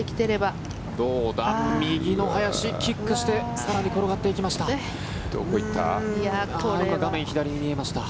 どうだ、右の林キックして更に転がっていきました。